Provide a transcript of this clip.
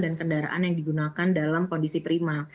dan kendaraan yang digunakan dalam kondisi prima